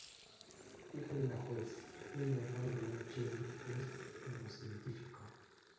Hija de una juez, tiene un hermano llamado Jamie que es neurocientífico.